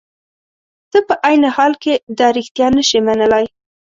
ته په عین حال کې دا رښتیا نشې منلای.